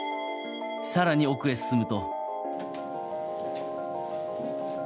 更に奥へ進むと。